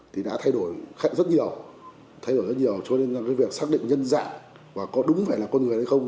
thì đã thay đổi rất nhiều cho nên việc xác định nhân dạng và có đúng phải là con người hay không